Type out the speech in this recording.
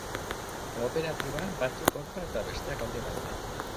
Kooperatiban batzuk kontra eta besteak alde daude.